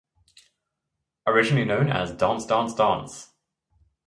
Originally known as Dance, Dance, Dance!